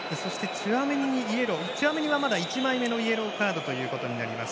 チュアメニは１枚目のイエローカードとなります。